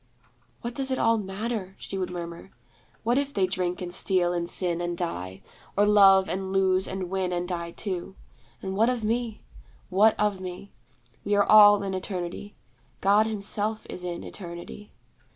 'What does it all matter?' she would murmur. 'What if they drink and steal and sin and die? or love and lose and win and die too? And what of me? What of me? We are all in Eternity. God Himself is in Eternity.'